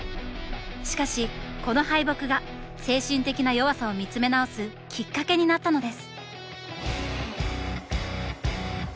しかしこの敗北が精神的な弱さを見つめ直すきっかけになったのです。